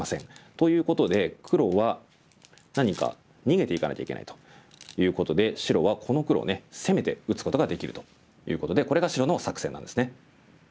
ということで黒は何か逃げていかないといけないということで白はこの黒を攻めて打つことができるということでこれが白の作戦なんですね。